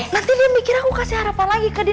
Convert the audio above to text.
nanti dia mikir aku kasih harapan lagi ke dia